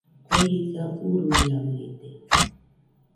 Kue jisa uruiaɨrede